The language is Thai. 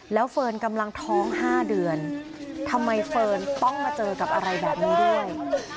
แล้วเฟิร์นกำลังท้อง๕เดือนทำไมเฟิร์นต้องมาเจอกับอะไรแบบนี้ด้วย